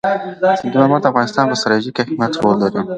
سنگ مرمر د افغانستان په ستراتیژیک اهمیت کې رول لري.